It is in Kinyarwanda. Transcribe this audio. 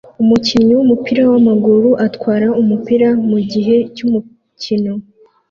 Umukinnyi wumupira wamaguru atwara umupira mugihe cyumukino